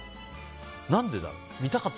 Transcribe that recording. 何でだろう？